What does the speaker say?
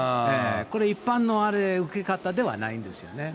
これ一般の受け方ではないんですよね。